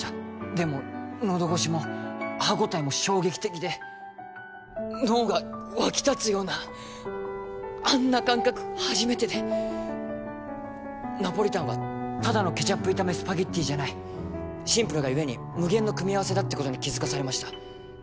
でものどごしも歯応えも衝撃的で脳が沸き立つようなあんな感覚初めてでナポリタンはただのケチャップ炒めスパゲティじゃないシンプルがゆえに無限の組み合わせだってことに気づかされました